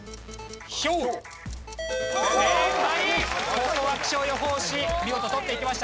ここは気象予報士見事取っていきました。